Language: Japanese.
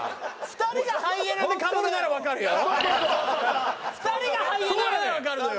２人がハイエナならわかるのよ。